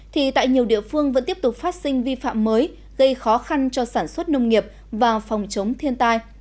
thì tại nhiều địa phương vẫn tiếp tục phát sinh vi phạm mới gây khó khăn cho sản xuất nông nghiệp và phòng chống thiên tai